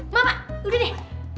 mama udah deh